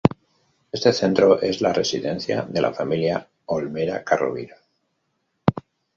Este centro era la residencia de la familia Olmera-Çarrovira.